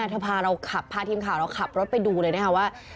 เธอพาเราขับพาทีมข่าวเราขับรถไปดูเลยนะคะว่า